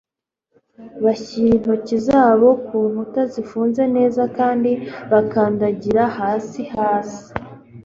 Bashyira intoki zabo ku nkuta zifunze neza kandi bakandagira hasi hasi